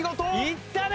いったね！